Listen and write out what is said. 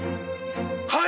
はい！